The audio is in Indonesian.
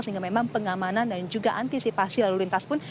sehingga memang pengamanan dan juga antisipasi lalu lintas pun